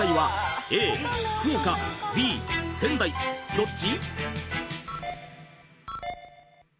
［どっち？］